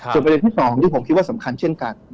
ส่วนประเด็นที่๒ที่ผมคิดว่าสำคัญเช่นกัน